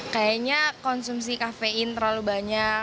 kayaknya konsumsi kafein terlalu banyak